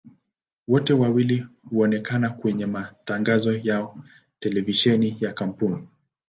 Wote wawili huonekana kwenye matangazo ya televisheni ya kampuni.